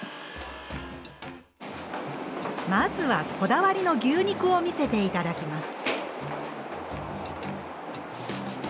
まずはこだわりの牛肉を見せて頂きます。